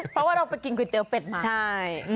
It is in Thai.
เพราะว่าเราไปกินก๋วยเตี๋เป็ดมาใช่